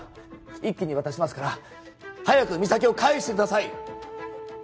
一気に渡しますから早く実咲を返してください